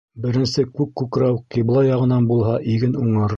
Беренсе күк күкрәү ҡибла яғынан булһа, иген уңыр.